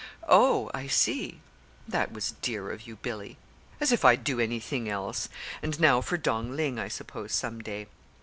"Oh, I see. That was dear of you, Billy." "As if I'd do anything else! And now for Dong Ling, I suppose, some day."